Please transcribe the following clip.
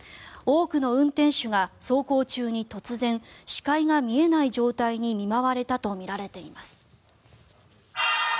多くの運転手が走行中に突然視界が見えない状態に見舞われたとみられています。